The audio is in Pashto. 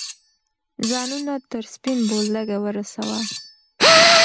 ځانونه تر سپین بولدکه ورسوه.